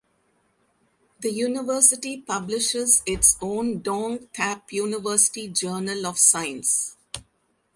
The University publishes its own "Dong Thap University Journal of Science".